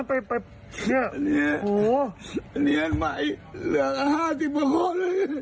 อันนี้อันใหม่เหลือก๕๐คน